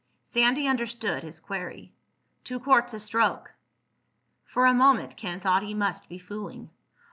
Sandy understood his query. "Two quarts a stroke." For a moment Ken thought he must be fooling.